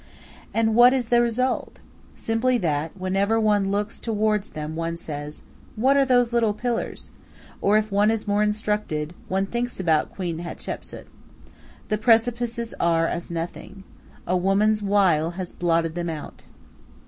And what is the result? Simply that whenever one looks toward them one says, "What are those little pillars?" Or if one is more instructed, one thinks about Queen Hatshepsu. The precipices are as nothing. A woman's wile has blotted them out.